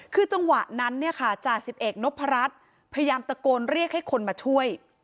คือจังหวะนั้นเนี่ยค่ะจ่าสิบเอกนพรัชพยายามตะโกนเรียกให้คนมาช่วย